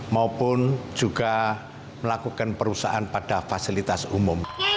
maupun juga melakukan perusahaan pada fasilitas umum